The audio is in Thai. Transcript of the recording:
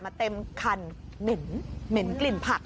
เต็มคันเหม็นกลิ่นผัก